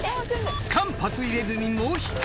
間髪入れずにもう１人。